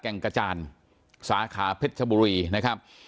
แก่งกระจานสาขาเพชรบุรี